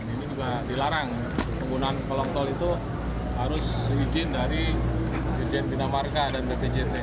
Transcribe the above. ini juga dilarang penggunaan kolong tol itu harus izin dari ijen bina marka dan bpjt